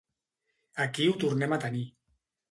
Aquí ho tornem a tenir.